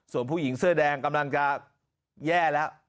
ส่วนผู้หญิงเสื้อแดงกำลังจะแย่แล้ว